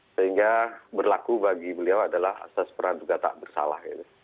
sehingga berlaku bagi beliau adalah asas peran juga tak bersalah gitu